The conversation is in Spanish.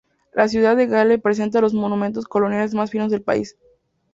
La ciudad de Galle presenta los monumentos coloniales más finos del país.